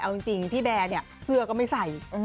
เอาจริงพี่แบร์เนี่ยเสื้อก็ไม่ใส่